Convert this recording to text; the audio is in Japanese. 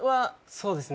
そうですね